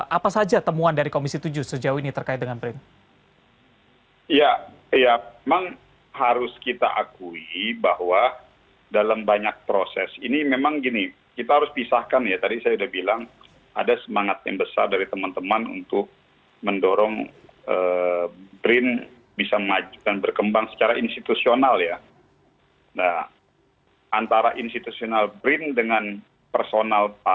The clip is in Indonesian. apa saja temuan dari komisi tujuh sejauh ini terkait dengan brin